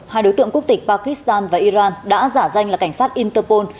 hai đối tượng quốc tịch pakistan và iran đã giả danh là cảnh sát interpol